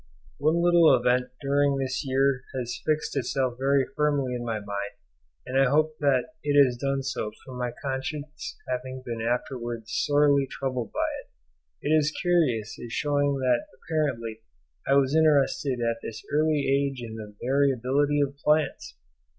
One little event during this year has fixed itself very firmly in my mind, and I hope that it has done so from my conscience having been afterwards sorely troubled by it; it is curious as showing that apparently I was interested at this early age in the variability of plants!